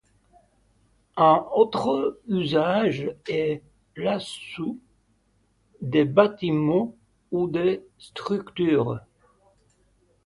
Un autre usage est l'assaut de bâtiment ou de structures.